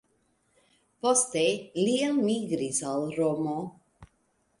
Poste li elmigris al Romo.